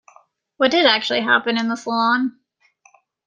What did actually happen in the salon?